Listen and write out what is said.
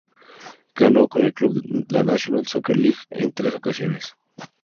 Ganó con el club la National Soccer League en tres ocasiones.